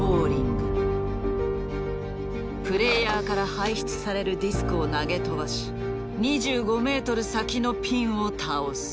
プレーヤーから排出されるディスクを投げ飛ばし２５メートル先のピンを倒す。